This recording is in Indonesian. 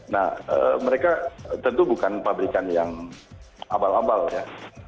nah mereka tentu bukan pabrikan yang abal abal ya